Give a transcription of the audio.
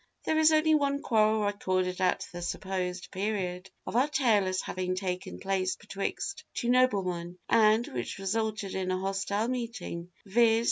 There is only one quarrel recorded at the supposed period of our tale as having taken place betwixt two noblemen, and which resulted in a hostile meeting, viz.